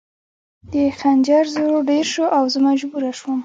د خنجر زور ډېر شو او زه مجبوره شوم